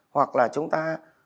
hoặc là chúng ta